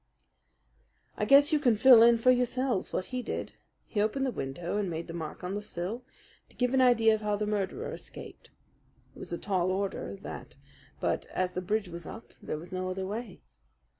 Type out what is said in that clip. "I guess you can fill in for yourselves what he did. He opened the window and made the mark on the sill to give an idea of how the murderer escaped. It was a tall order, that; but as the bridge was up there was no other way.